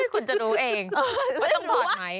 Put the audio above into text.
คุณจะรู้เองว่าต้องถอดไหม